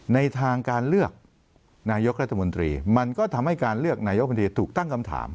ในทางการเลือกนายกรัฐมนตรีมันก็ทำให้การเลือกนายกมนตรีถูกตั้งคำถาม